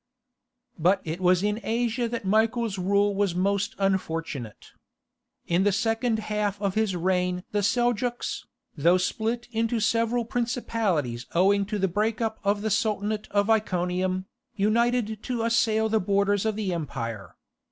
But it was in Asia that Michael's rule was most unfortunate. In the second half of his reign the Seljouks, though split into several principalities owing to the break up of the Sultanate of Iconium, united to assail the borders of the empire.